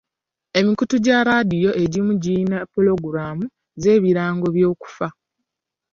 Emikutu gya laadiyo egimu girina pulogulaamu z'ebirango by'okufa.